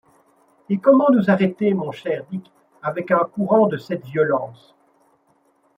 Et comment nous arrêter, mon cher Dick, avec un courant de cette violence?